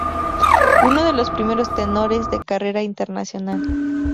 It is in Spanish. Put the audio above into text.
Uno de los primeros tenores de carrera internacional.